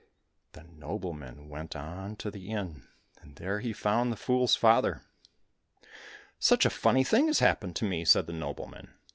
The nobleman then went on to the inn, and there he found the fool's father. " Such a funny thing has happened to me," said the nobleman.